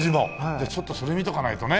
じゃあちょっとそれ見ておかないとね。